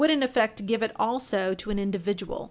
in effect. give it also to an individual.